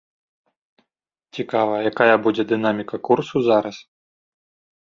Цікава, якая будзе дынаміка курсу зараз.